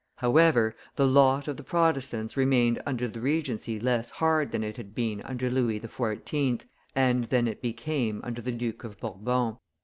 However, the lot of the Protestants remained under the Regency less hard than it had been under Louis XIV., and than it became under the Duke of Bourbon.